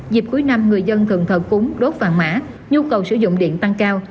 dịp cuối năm người dân thường thở cúng đốt vàng mã nhu cầu sử dụng điện tăng cao